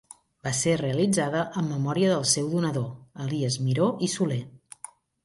Va ser realitzada en memòria del seu donador, Elies Miró i Soler.